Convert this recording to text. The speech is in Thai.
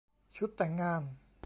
ชุดแต่งงาน